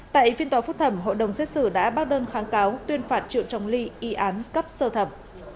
tại phiên tòa phúc thẩm hội đồng xét xử đã bác đơn kháng cáo tuyên phạt triệu trọng ly y án cấp sơ thẩm